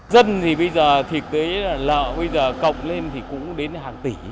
dân thì bây giờ thiệt tế là lợn bây giờ cộng lên thì cũng đến hàng tỷ